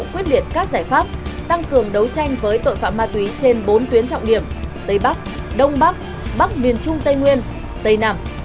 quyết liệt các giải pháp tăng cường đấu tranh với tội phạm ma túy trên bốn tuyến trọng điểm tây bắc đông bắc bắc miền trung tây nguyên tây nam